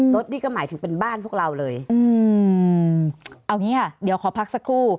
รถนี่ก็หมายถึงเป็นบ้านพวกเราเลยอืมเอางี้ค่ะเดี๋ยวขอพักสักครู่